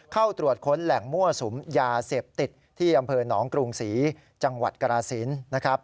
เข้าตรวจค้นแหล่งมั่วสุมยาเสพติดที่อำเภอหนองกรุงศรีจังหวัดกราศิลป์นะครับ